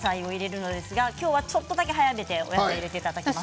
今日はちょっとだけ早めてお野菜を入れていただきます。